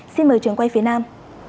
xin mời trường quay phía nam